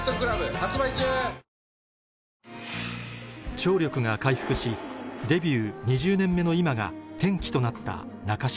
聴力が回復しデビュー２０年目の今が転機となった中島